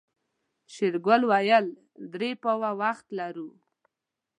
شېرګل وويل درې پاوه وخت لرو.